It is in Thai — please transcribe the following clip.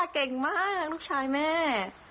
เก่งมากลูกชายแม่